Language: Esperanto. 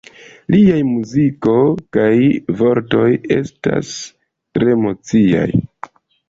Liaj muziko kaj vortoj estas tre emociaj.